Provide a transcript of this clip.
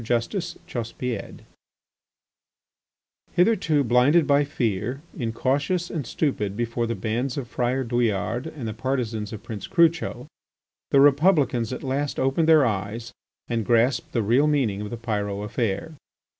JUSTICE CHAUSSEPIED Hitherto blinded by fear, incautious and stupid before the bands of Friar Douillard and the partisans of Prince Crucho, the Republicans at last opened their eyes and grasped the real meaning of the Pyrot affair.